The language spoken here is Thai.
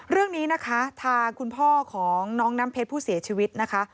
เรื่องนี้นะคะทางคุณพ่อของน้องน้ำเพชรผู้เสียชีวิตนะคะ